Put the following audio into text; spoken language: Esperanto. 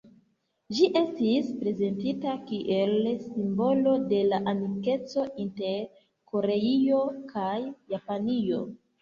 Ĝi estis prezentita kiel "simbolo de la amikeco inter Koreio kaj Japanio".